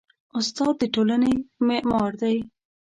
استاد د ټولنې معمار دی.